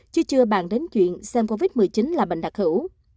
chứ chưa bàn đến chuyện xem covid một mươi chín là bệnh đặc hữu